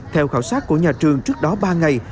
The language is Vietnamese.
theo khảo sát của nhà trường trước đó ba ngày